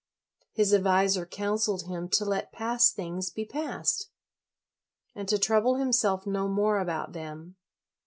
His adviser counseled him to let past things be past, and to trouble him self no more about them.